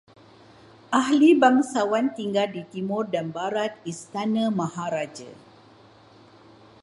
Ahli bangsawan tinggal di timur dan barat istana maharaja